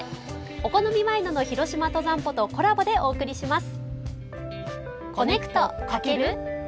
「お好みワイド」の「ひろしま登山歩」とコラボでお送りします。